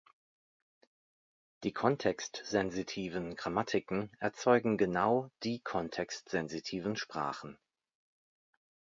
Die kontextsensitiven Grammatiken erzeugen genau die kontextsensitiven Sprachen.